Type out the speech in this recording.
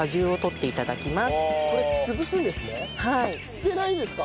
捨てないんですか？